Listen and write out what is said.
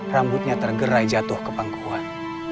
rambutnya tergerai jatuh ke pangkuan